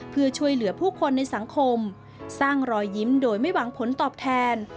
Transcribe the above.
เพื่อช่วยเหลือผู้คนในสังคมสร้างรอยยิ้มโดยไม่หวังผลตอบแทน